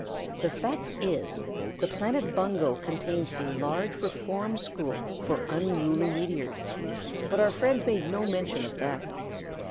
[The fact is, the planet Bungo contains a large reform school for unruly meteors, but our friend made no mention of that.